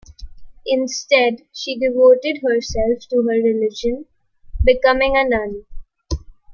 Instead, she devoted herself to her religion, becoming a nun.